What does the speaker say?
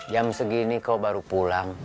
jam segini kau baru pulang